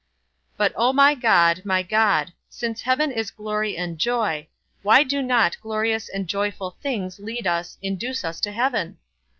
But, O my God, my God, since heaven is glory and joy, why do not glorious and joyful things lead us, induce us to heaven?